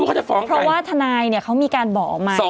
เพราะว่าทนายเขามีการบอกมา